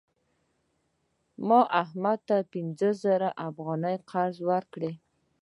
ما احمد ته پنځه زره افغانۍ قرض ورکړې.